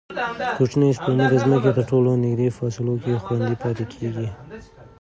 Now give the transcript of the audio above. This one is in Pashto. کوچنۍ سپوږمۍ د ځمکې تر ټولو نږدې فاصلو کې خوندي پاتې کېږي.